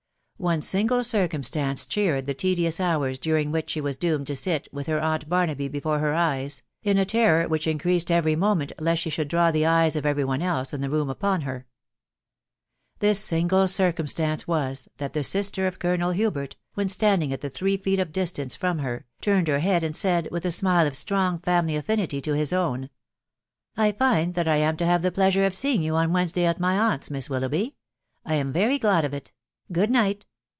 One single circumstance cheered the tedious hours during which she was doomed to sit, with her aunt Barnaby before her eyes, in a terror which increased every moment lest she should draw the eyes of every one else in the room upon her. This single circumstance was, that the sister of Colonel Hubert, when standing at three feet of distance from her, turned her head and said, with a smile of strong family affinity to his own, —" I find that I am to have the pleasure of seeing you on Wednesday at my aunt's, Miss WiUoughby .... I am very glad of it. .•. Good night